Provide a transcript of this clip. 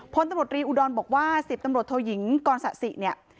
พลตำลดรีอุดรบอกว่า๑๐ตำลดโทยิงกศเนี่ย